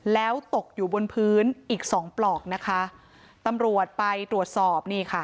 แล้วตกอยู่บนพื้นอีกสองปลอกนะคะตำรวจไปตรวจสอบนี่ค่ะ